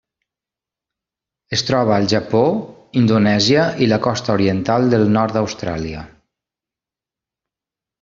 Es troba al Japó, Indonèsia i la costa oriental del nord d'Austràlia.